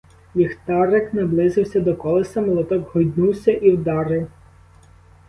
Ліхтарик наблизився до колеса, молоток гойднувся і вдарив.